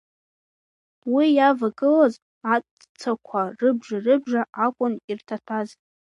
Уи иавагылаз аҵәцақәа рыбжа-рыбжа акәын ирҭаҭәаз.